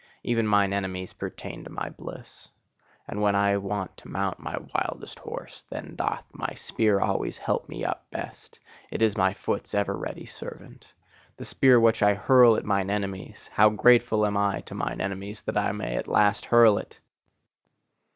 Even mine enemies pertain to my bliss. And when I want to mount my wildest horse, then doth my spear always help me up best: it is my foot's ever ready servant: The spear which I hurl at mine enemies! How grateful am I to mine enemies that I may at last hurl it!